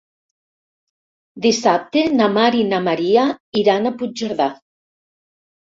Dissabte na Mar i na Maria iran a Puigcerdà.